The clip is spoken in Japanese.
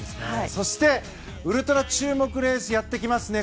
そしてウルトラ注目レースがやってきますね。